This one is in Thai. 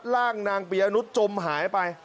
รัดร่างนางเปียนุทธ์จมหายไป